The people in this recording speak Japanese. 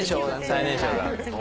最年少が。